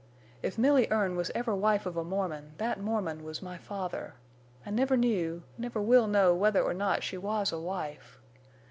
_ If Milly Erne was ever wife of a Mormon that Mormon was my father! I never knew—never will know whether or not she was a wife.